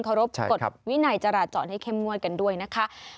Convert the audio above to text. รบกฎวินัยจราจรให้เข้มงวดกันด้วยนะคะ